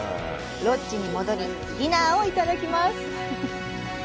ロッジに戻り、ディナーをいただきます。